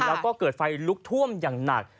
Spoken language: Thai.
แล้วก็เกิดไฟลุกท่วมอย่างหนัก